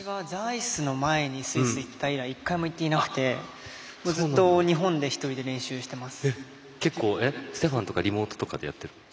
ただ、ことしはダイスの前にスイス行った以来１回も行ってなくてずっと日本で練習してます。